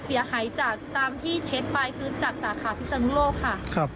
เสียหายจากตามที่เช็คไปคือจากสาขาพิศนุโลกค่ะ